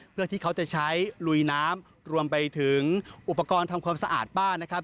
เพื่อที่เขาจะใช้ลุยน้ำรวมไปถึงอุปกรณ์ทำความสะอาดบ้านนะครับ